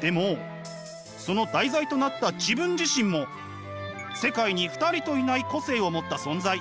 でもその題材となった自分自身も世界に２人といない個性を持った存在。